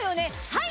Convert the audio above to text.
はい！